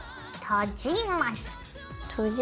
閉じます。